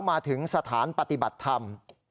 มาถึงสถานปฏิบัติธรรม